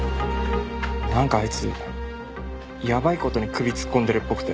なんかあいつやばい事に首突っ込んでるっぽくて。